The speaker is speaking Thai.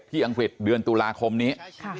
อังกฤษเดือนตุลาคมนี้